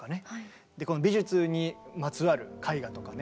この美術にまつわる絵画とかね